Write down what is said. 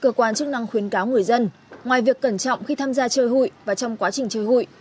cơ quan chức năng khuyến cáo người dân ngoài việc cẩn trọng khi tham gia chơi hụi và trong quá trình chơi hụi